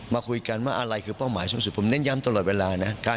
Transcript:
มาคุยกันว่าอะไรคือเป้าหมายสูงสุดผมเน้นย้ำตลอดเวลานะ